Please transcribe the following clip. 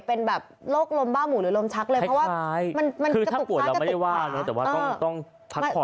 เป็นรกลมบ้าหมู่หรือรมชักเลยเพราะว่ามันคุกลางจะตกขา